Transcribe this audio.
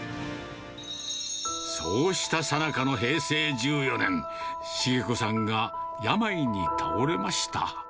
そうしたさなかの平成１４年、重子さんが病に倒れました。